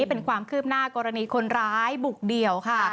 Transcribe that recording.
เป็นความคืบหน้ากรณีคนร้ายบุกเดี่ยวค่ะ